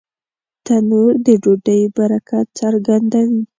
تنور د ډوډۍ برکت څرګندوي